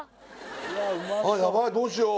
ヤバいどうしよう